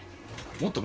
もっとノ